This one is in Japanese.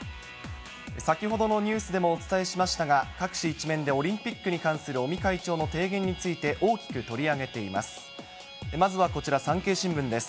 先ほどのニュースでもお伝えしましたが、各紙１面でオリンピックに関する尾身会長の提言について、大きく取り上げています。